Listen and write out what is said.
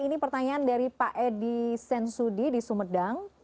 ini pertanyaan dari pak edi sensudi di sumedang